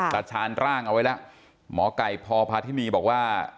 ชาญร่างเอาไว้แล้วหมอไก่พพาธินีบอกว่า